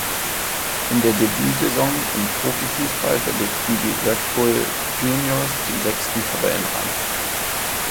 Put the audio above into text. In der Debütsaison im Profifußball belegten die Red Bull Juniors den sechsten Tabellenrang.